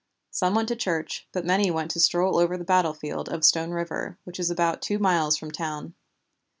Some went to church, but many went to stroll over the battlefield of Stone River, which is about two miles from town.